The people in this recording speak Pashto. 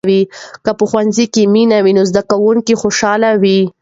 که په ښوونځي کې مینه وي، نو زده کوونکي خوشحال وي.